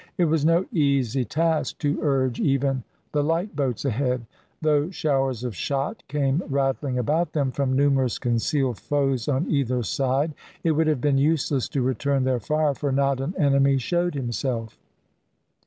It was no easy task to urge even the light boats ahead. Though showers of shot came rattling about them from numerous concealed foes on either side, it would have been useless to return their fire, for not an enemy showed himself.